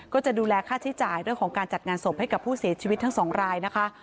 ก็จะดูแลค่าใช้จ่ายเรื่องของการจัดงานศพให้กับผู้เสียชีวิตทั้งสองรายนะคะ